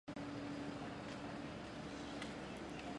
系统最终在墨西哥北部上空快速消散。